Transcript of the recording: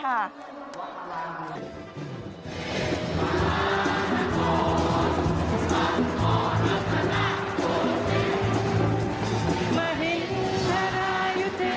ทราอยุธยมฮาริโรคของพระราชมาเจ้าฟ้าที่สุดที่โลก